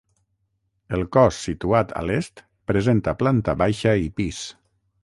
El cos situat a l'est presenta planta baixa i pis.